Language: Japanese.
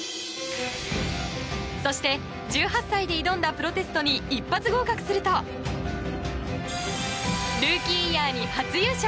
そして１８歳で挑んだプロテストに一発合格するとルーキーイヤーに初優勝。